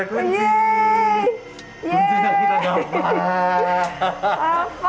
kunci yang kita dapat